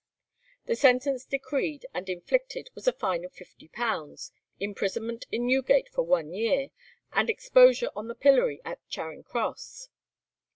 The sentence decreed and inflicted was a fine of £50, imprisonment in Newgate for one year, and exposure on the pillory at Charing Cross.